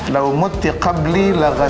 kalau sudah sebelumnya